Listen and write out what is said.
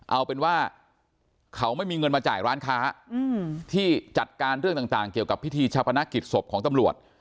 เอาเป็นว่าเขาไม่มีเงินมาจ่ายร้านค้าที่จัดการเรื่องต่างเกี่ยวกับพิธีชาปนกิจศพของตำรวจ